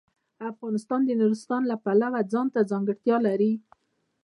افغانستان د نورستان د پلوه ځانته ځانګړتیا لري.